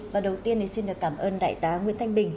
và đầu tiên xin cảm ơn đại tá nguyễn thanh bình